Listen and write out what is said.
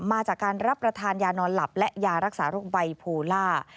มาจากการรับประทานยานอนหลับและยารักษาโรคไบโพล่า